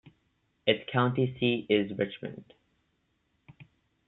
Its county seat is Richmond.